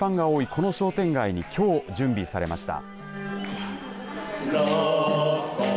この商店街にきょう、準備されました。